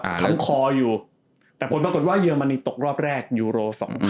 ขังคออยู่แต่ผลปรากฏว่าเยอรมนีตกรอบแรกยูโร๒๐